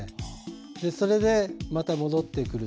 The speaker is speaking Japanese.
それで、また戻ってくる。